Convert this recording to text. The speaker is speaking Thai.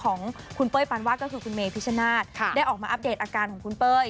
ของคุณเป้ยปานวาดก็คือคุณเมพิชนาธิ์ได้ออกมาอัปเดตอาการของคุณเป้ย